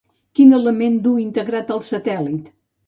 Quin element du integrat el satèl·lit?